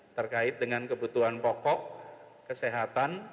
terkait dengan kebutuhan pokok kesehatan